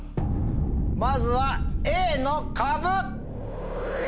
まずはＡの「カブ」。